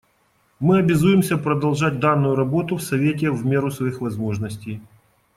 Мы обязуемся продолжать данную работу в Совете в меру своих возможностей.